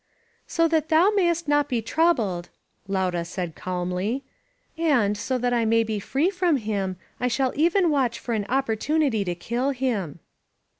"So that thou mayst not be troubled," Laura said calmly, "and, so that I may be free from him, I shall even watch for an opportunity to kill him."